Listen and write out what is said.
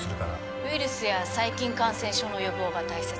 ウイルスや細菌感染症の予防が大切です。